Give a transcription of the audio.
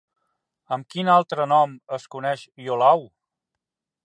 Amb quin altre nom es coneix Iolau?